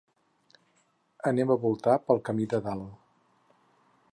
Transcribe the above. Anem a voltar pel camí de dalt.